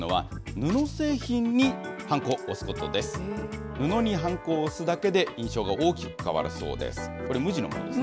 布にはんこを押すだけで、印象が大きく変わるそうです。